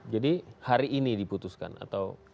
jadi hari ini diputuskan atau